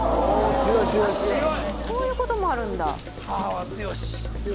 こういうこともあるんだ。